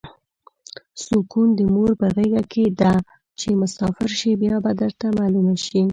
سوکون د مور په غیګه ده چی مسافر شی بیا به درته معلومه شی